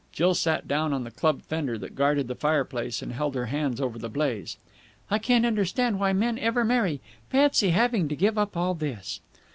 Jill sat down on the club fender that guarded the fireplace, and held her hands over the blaze. "I can't understand why men ever marry. Fancy having to give up all this!"